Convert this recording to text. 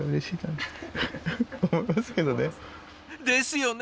ですよね！